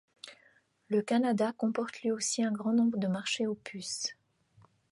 Le Canada comporte lui aussi un grand nombre de marchés aux puces.